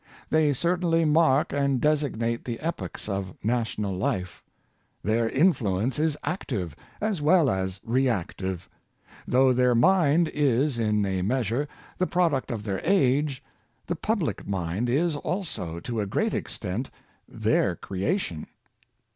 They certainly mark and designate the epochs of national life. Their influence is active, as well as reactive. Though their mind is, in a measure, the product of their age, the public mind is also, to a great extent, their creation.